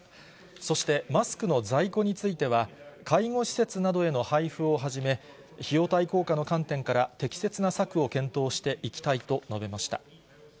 そして、マスクの在庫については、介護施設などへの配布をはじめ、費用対効果の観点から適切な策を検討していきたいと述べました。